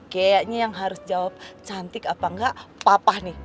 kayaknya yang harus jawab cantik apa enggak papa nih